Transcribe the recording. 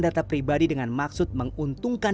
data pribadi dengan maksud menguntungkan